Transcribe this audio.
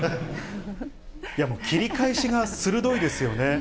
いや、もう、切り返しが鋭いですよね。